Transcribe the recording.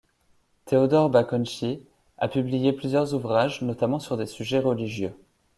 Teodor Baconschi a publié plusieurs ouvrages, notamment sur des sujets religieux.